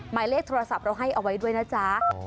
หมายเลขโทรศัพท์เราให้เอาไว้ด้วยนะจ๊ะ